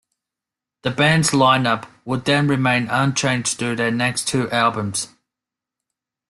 The band's lineup would then remain unchanged through their next two albums.